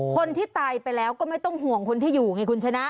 คนที่ตายไปแล้วก็ไม่ต้องห่วงคนที่อยู่ไงคุณชนะ